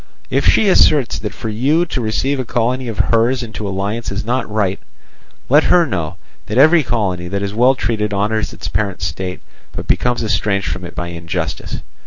"If she asserts that for you to receive a colony of hers into alliance is not right, let her know that every colony that is well treated honours its parent state, but becomes estranged from it by injustice.